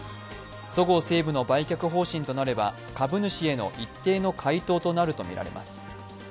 そごう・西武の売却方針となれば株主への一定の回答となるとみられます。